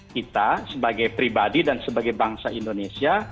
kita sebagai pribadi dan sebagai bangsa indonesia